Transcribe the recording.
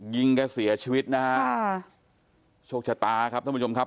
แกเสียชีวิตนะฮะค่ะโชคชะตาครับท่านผู้ชมครับ